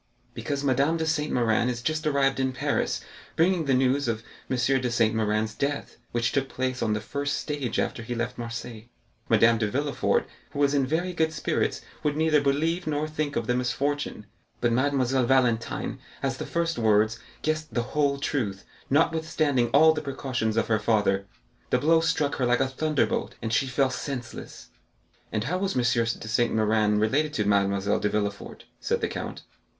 "Because Madame de Saint Méran is just arrived in Paris, bringing the news of M. de Saint Méran's death, which took place on the first stage after he left Marseilles. Madame de Villefort, who was in very good spirits, would neither believe nor think of the misfortune, but Mademoiselle Valentine, at the first words, guessed the whole truth, notwithstanding all the precautions of her father; the blow struck her like a thunderbolt, and she fell senseless." "And how was M. de Saint Méran related to Mademoiselle de Villefort?" said the count.